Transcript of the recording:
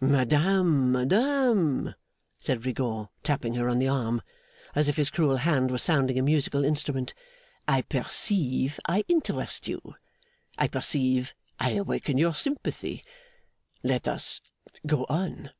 'Madame, madame,' said Rigaud, tapping her on the arm, as if his cruel hand were sounding a musical instrument, 'I perceive I interest you. I perceive I awaken your sympathy. Let us go on.